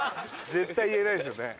絶対言えないですよね。